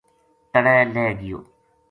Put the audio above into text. تَڑے لہہ گیو